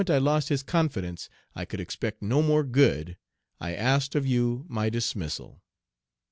I lost his confidence, I could expect no more good, I asked of you my dismissal.